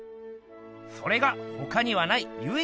それがほかにはないゆい